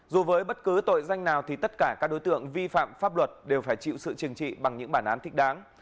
dù với bất cứ tội danh nào thì tất cả các đối tượng vi phạm pháp luật đều phải chịu sự trừng trị bằng những bản án thích đáng